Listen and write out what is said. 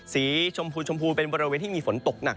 สีชมพูชมพูเป็นบริเวณที่มีฝนตกหนัก